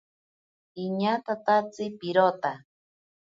Iñatatatsi pirota.